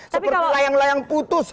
seperti layang layang putus